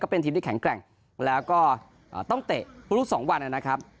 เป็นทีมที่แข็งแกร่งแล้วก็ต้องเตะทุก๒วันนะครับ